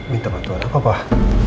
minta bantuan apa pak